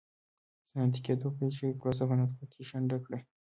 صنعتي کېدو پیل شوې پروسه په نطفه کې شنډه کړه.